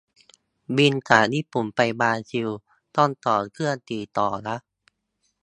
บินจากญี่ปุ่นไปบราซิล ต้องต่อเครื่องกี่ต่อนะ